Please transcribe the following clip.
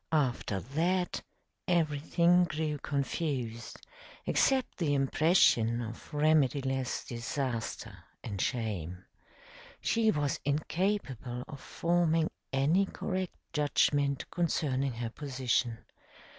After that, everything grew confused, except the impression of remediless disaster and shame. She was incapable of forming any correct judgment concerning her position.